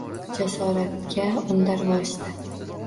Jasoratga undar vosita.